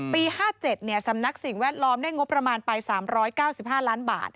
๕๗สำนักสิ่งแวดล้อมได้งบประมาณไป๓๙๕ล้านบาท